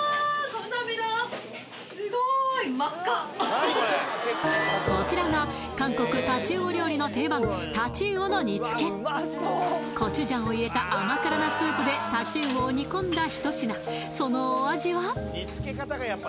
カムサハムニダこちらが韓国タチウオ料理の定番コチュジャンを入れた甘辛なスープでタチウオを煮込んだひと品そのお味は？